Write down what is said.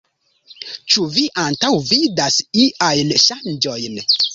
Ĉu vi antaŭvidas iajn ŝanĝojn?